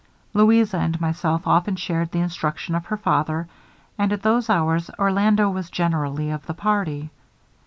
Louisa and myself often shared the instruction of her father, and at those hours Orlando was generally of the party.